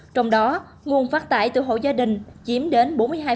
trong đó nguồn phát thải từ hộ gia đình chiếm đến bốn mươi hai